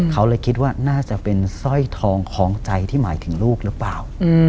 เขาเลยคิดว่าน่าจะเป็นสร้อยทองของใจที่หมายถึงลูกหรือเปล่า